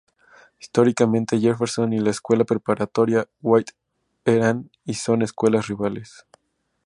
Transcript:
Históricamente Jefferson y la Escuela Preparatoria W. T. White eran, y son, "escuelas rivales".